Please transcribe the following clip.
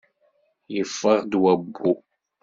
Yeffeɣ-d wabbu.